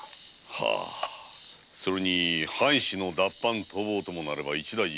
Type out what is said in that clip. それに藩士の脱藩逃亡ともなれば一大事。